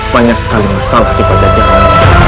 banyak sekali masalah di panjang jalan